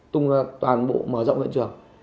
tung ra toàn bộ mở rộng lãnh trường